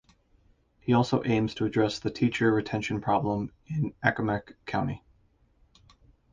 He also aims to address the teacher retention problem in Accomack County.